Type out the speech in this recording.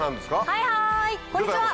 はいはいこんにちは！